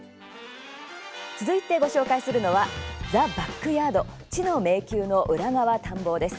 続いて、ご紹介するのは「ザ・バックヤード知の迷宮の裏側探訪」です。